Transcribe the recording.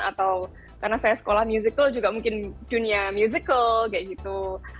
atau karena saya sekolah musical juga mungkin dunia musical kayak gitu